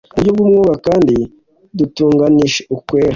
mu buryo bw umwuka kandi dutunganishe ukwera